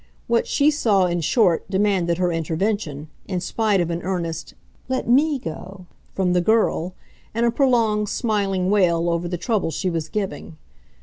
What she saw, in short, demanded her intervention, in spite of an earnest "Let ME go!" from the girl, and a prolonged smiling wail over the trouble she was giving.